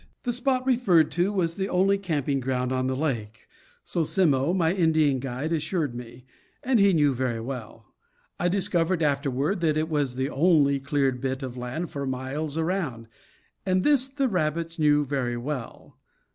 The spot referred to was the only camping ground on the lake; so Simmo, my Indian guide, assured me; and he knew very well. I discovered afterward that it was the only cleared bit of land for miles around; and this the rabbits knew very well.